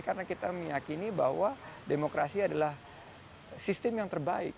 karena kita meyakini bahwa demokrasi adalah sistem yang terbaik